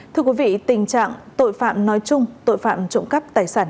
thưa quý vị tình trạng tội phạm nói chung tội phạm trộm cắp tài sản